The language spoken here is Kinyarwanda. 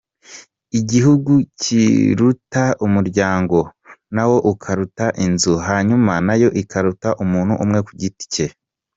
Igihugu kiruta umuryango, nawo ukaruta inzu hanyuma nayo ikaruta umuntu umwe kugiti ke,